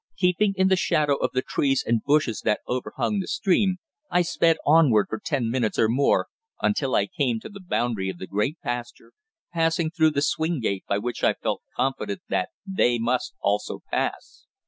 Keeping in the shadow of the trees and bushes that overhung the stream, I sped onward for ten minutes or more until I came to the boundary of the great pasture, passing through the swing gate by which I felt confident that they must also pass.